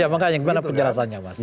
ya makanya gimana penjelasannya mas